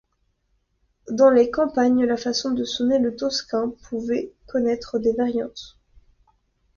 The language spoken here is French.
Dans les campagnes, la façon de sonner le tocsin pouvait connaître des variantes.